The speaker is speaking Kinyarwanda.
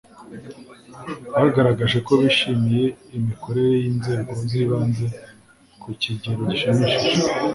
bagaragaje ko bishimiye imikorere y’inzego z’ibanze kukigero gishimishije